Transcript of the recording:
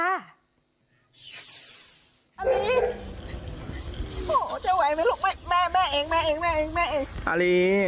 อลีโอ้จะไหวไหมลูกแม่เอง